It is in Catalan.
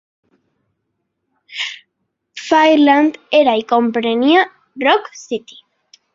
Fairyland era i comprenia Rock City.